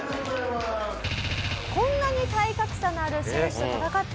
こんなに体格差のある選手と戦っても。